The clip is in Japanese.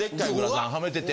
はめてて。